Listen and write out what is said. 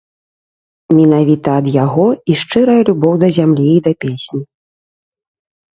Менавіта ад яго і шчырая любоў да зямлі і да песні.